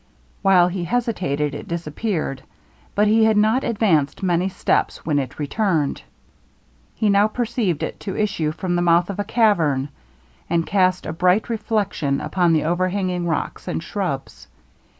While he hesitated, it disappeared; but he had not advanced many steps when it returned. He now perceived it to issue from the mouth of a cavern, and cast a bright reflection upon the overhanging rocks and shrubs.